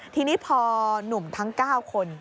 ทีนี้พอหนุ่มทั้ง๙คน